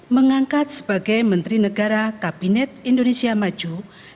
mengangkat sebagai menteri negara kabinet indonesia maju